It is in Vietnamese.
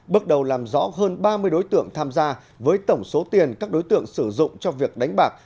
bước đầu làm rõ hơn ba mươi đối tượng tham gia với tổng số tiền các đối tượng sử dụng cho việc đánh bạc